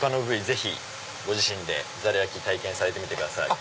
ぜひご自身でざる焼体験されてみてください。